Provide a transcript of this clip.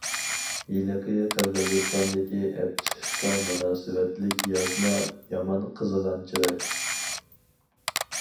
ھېلىقى قىرغىزىستاندىكى ئەپ قېچىشقا مۇناسىۋەتلىك يازما يامان قىزىغان چىراي.